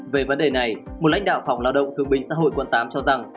về vấn đề này một lãnh đạo phòng lao động thương binh xã hội quận tám cho rằng